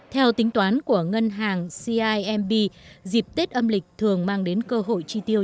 theo tính toán của ngân hàng cimb dịp tết âm lịch thường mang đến cơ hội tri tiêu